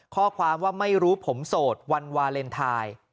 ข้อความว่าไม่รู้ผมโสดวันวาเลนไทย